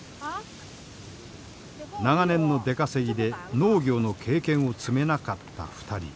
長年の出稼ぎで農業の経験を積めなかった２人。